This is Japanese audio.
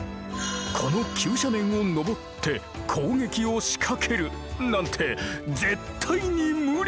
この急斜面を登って攻撃を仕掛けるなんて絶対に無理！